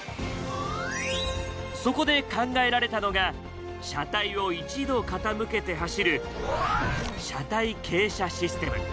そこで考えられたのが車体を１度傾けて走る車体傾斜システム。